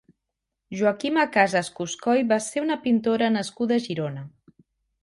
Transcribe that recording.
Joaquima Casas Cuscoy va ser una pintora nascuda a Girona.